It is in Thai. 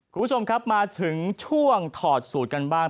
คุณผู้ชมครับมาถึงช่วงถอดสูตรกันบ้าง